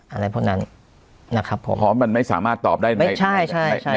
อะไรพวกนั้นนะครับผมเพราะมันไม่สามารถตอบได้ในใช่ใช่